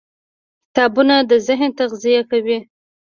کتابونه د ذهن تغذیه کوي.